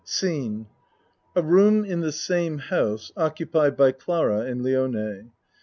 Scene A room in the same house, occupied by Clara and Lione.